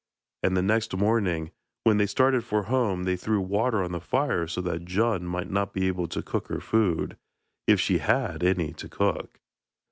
And the next morning, when they started for home, they threw water on the fire so that Djun might not be able to cook her food, if she had any to cook.